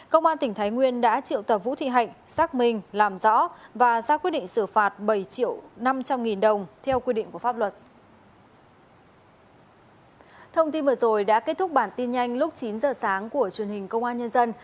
công an tỉnh thái nguyên đã triệu tập vũ thị hạnh xác minh làm rõ và ra quyết định xử phạt bảy triệu năm trăm linh nghìn đồng theo quy định của pháp luật